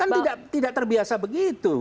kan tidak terbiasa begitu